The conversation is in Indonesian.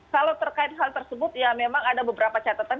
kalau terkait hal tersebut ya memang ada beberapa catatan